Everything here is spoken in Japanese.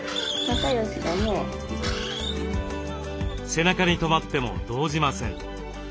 背中にとまっても動じません。